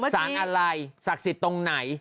สารอะไรศักดิ์สิทธิ์ตรงไหน